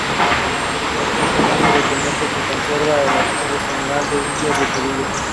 Este importante documento se conserva el Archivo General de Indias de Sevilla.